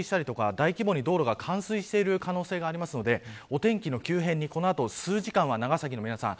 大規模に道路が冠水している可能性がありますのでお天気の急変にこの後、数時間は長崎の皆さん